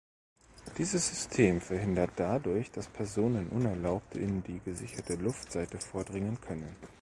Dieses System verhindert dadurch, dass Personen unerlaubt in die gesicherte Luftseite vordringen können.